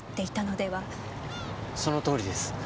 そのとおりです。